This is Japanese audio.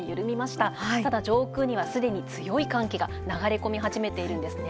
ただ、上空にはすでに強い寒気が流れ込み始めているんですね。